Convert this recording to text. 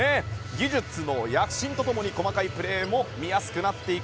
技術の躍進とともに細かいプレーも見やすくなっていく。